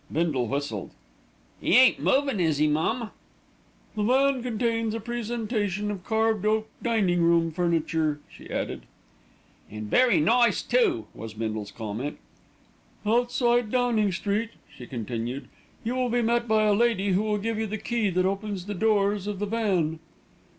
Bindle whistled. "'E ain't movin', is 'e, mum?" "The van contains a presentation of carved oak dining room furniture," she added. "An' very nice too," was Bindle's comment. "Outside Downing Street," she continued, "you will be met by a lady who will give you the key that opens the doors of the van."